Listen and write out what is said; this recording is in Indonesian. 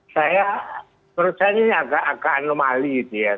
saya menurut saya ini agak anomali